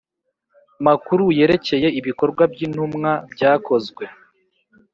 makuru yerekeye ibikorwa by Intumwa byakozwe